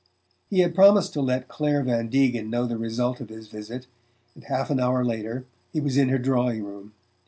He had promised to let Clare Van Degen know the result of his visit, and half an hour later he was in her drawing room.